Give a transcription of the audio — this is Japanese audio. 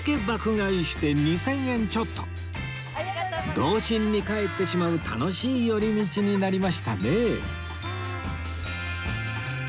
童心に帰ってしまう楽しい寄り道になりましたね